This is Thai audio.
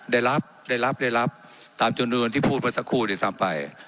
ได้รับได้รับได้รับตามจุดที่พูดมาสักคู่เจตามไป